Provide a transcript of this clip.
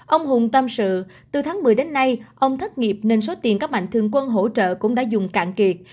ông hùng tâm sự từ tháng một mươi đến nay ông thất nghiệp nên số tiền các mạnh thường quân hỗ trợ cũng đã dùng cạn kiệt